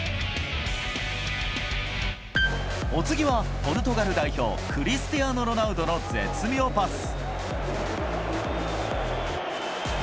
お次は、ポルトガル代表、クリスティアーノ・ロナウドの絶妙パス。